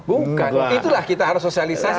bukan itulah kita harus sosialisasi